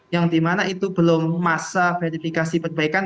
yang dimana itu belum masa verifikasi perbaikan